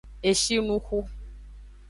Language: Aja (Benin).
Eshinuxu.